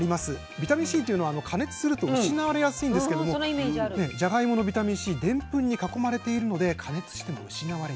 ビタミンＣというのは加熱すると失われやすいんですけれどもじゃがいものビタミンＣでんぷんに囲まれているので加熱しても失われにくいんです。